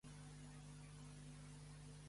A Déu no li és res impossible.